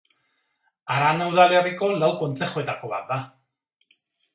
Harana udalerriko lau kontzejuetako bat da.